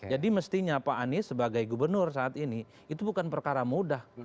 jadi mestinya pak any sebagai gubernur saat ini itu bukan perkara mudah